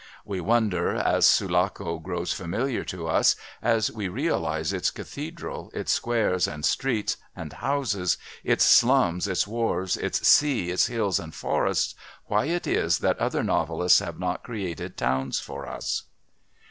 We wonder, as Sulaco grows familiar to us, as we realise its cathedral, its squares and streets and houses, its slums, its wharves, its sea, its hills and forests, why it is that other novelists have not created towns for us.